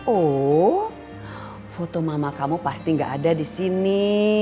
oh foto mama kamu pasti gak ada disini